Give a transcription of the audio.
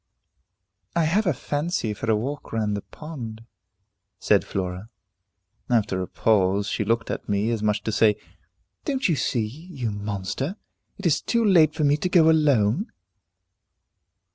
"I have a fancy for a walk round the pond," said Flora. After a pause, she looked at me, as much as to say, "Don't you see, you monster, it is too late for me to go alone?"